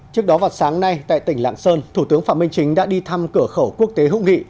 trước đó vào sáng nay tại tỉnh lạng sơn thủ tướng phạm minh chính đã đi thăm cửa khẩu quốc tế hữu nghị